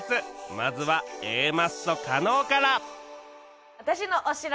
まずは Ａ マッソ加納から